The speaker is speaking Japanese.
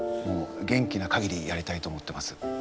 元気なかぎりやりたいと思ってます。